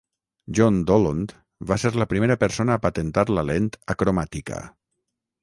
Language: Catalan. John Dollond va ser la primera persona a patentar la lent acromàtica.